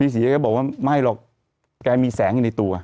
เสียแกบอกว่าไม่หรอกแกมีแสงอยู่ในตัว